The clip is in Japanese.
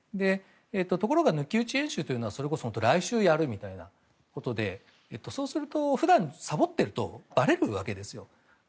ところが抜き打ち演習というのはそれこそ来週やるみたいなことでそうすると、普段さぼっているとばれるわけですよ。